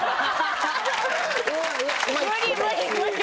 無理無理無理！